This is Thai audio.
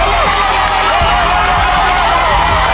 ทางน้อยมั๊เธอแปลง